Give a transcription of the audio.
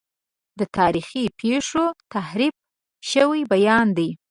د تاریخي پیښو تحریف شوی بیان دی.